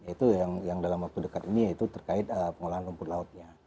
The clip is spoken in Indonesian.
itu yang dalam waktu dekat ini yaitu terkait pengolahan rumput lautnya